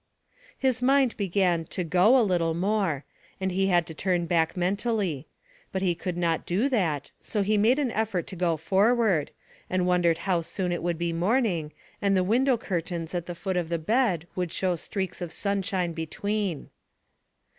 His mind began "to go" a little more, and he had to turn back mentally; but he could not do that, so he made an effort to go forward, and wondered how soon it would be morning, and the window curtains at the foot of the bed would show streaks of sunshine between.